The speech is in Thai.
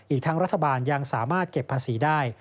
อีกทั้งรัฐบาลยังสามารถเก็บภาษีได้